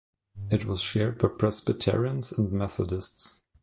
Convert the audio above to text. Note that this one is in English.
It was shared by Presbyterians and Methodists.